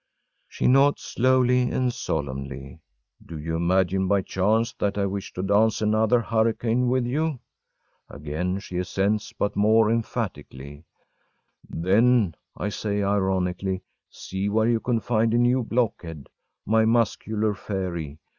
‚ÄĚ She nods slowly and solemnly. “Do you imagine, by chance, that I wish to dance another hurricane with you?‚ÄĚ Again she assents, but more emphatically. ‚ÄúThen,‚ÄĚ say I, ironically, “see where you can find a new blockhead, my muscular fairy!